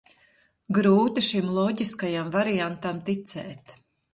Grūti šim loģiskajam variantam ticēt.